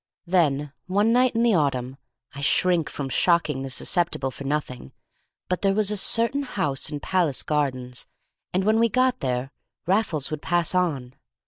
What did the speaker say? Then one night in the autumn—I shrink from shocking the susceptible for nothing—but there was a certain house in Palace Gardens, and when we got there Raffles would pass on.